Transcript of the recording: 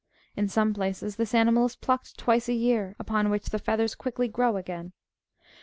In some places, this animal is plucked twice a year, upon which the feathers quickly grow again.